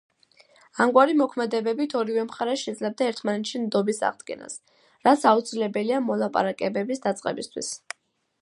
ამგვარი მოქმედებებით ორივე მხარე შეძლებდა ერთმანეთში ნდობის აღდგენას, რაც აუცილებელია მოლაპარაკებების დაწყებისთვის.